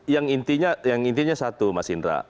jadi gini pak yang intinya satu mas indra